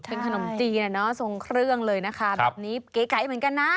เป็นขนมจีนอะเนาะทรงเครื่องเลยนะคะแบบนี้เก๋เหมือนกันนะ